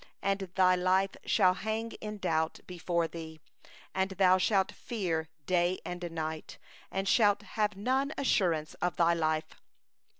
66And thy life shall hang in doubt before thee; and thou shalt fear night and day, and shalt have no assurance of thy life.